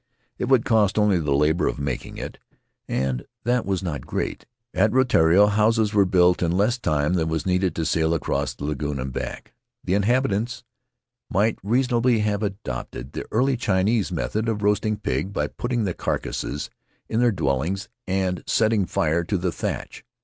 It would cost only the labor of making it, and that was not great. At Rutiaro houses were built in less time than was needed to sail across the lagoon and back. The inhabitants might reason ably have adopted the early Chinese method of roasting pig by putting the carcasses in their dwellings and setting fire to the thatch.